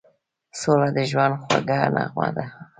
سوله د ژوند خوږه نغمه ده.